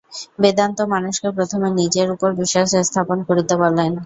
বেদান্ত মানুষকে প্রথমে নিজের উপর বিশ্বাস স্থাপন করিতে বলেন।